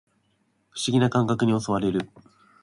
不思議な感覚に襲われる